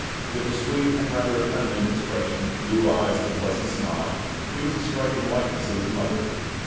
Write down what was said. With a sweet and rather effeminate expression, blue eyes and a pleasant smile, he was a striking likeness of his mother.